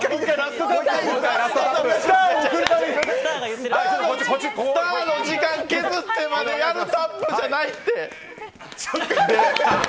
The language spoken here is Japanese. スターの時間削ってまでやるタップじゃないって！